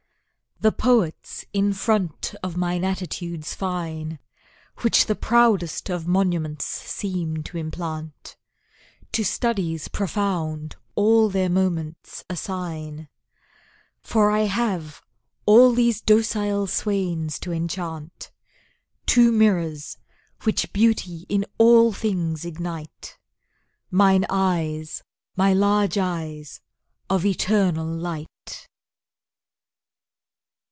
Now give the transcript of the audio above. The poets in front of mine attitudes fine (Which the proudest of monuments seem to implant), To studies profound all their moments assign, For I have all these docile swains to enchant Two mirrors, which Beauty in all things ignite: Mine eyes, my large eyes, of eternal Light!